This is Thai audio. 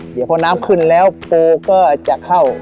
เดี๋ยวพอน้ำขึ้นแล้วปูก็จะเข้า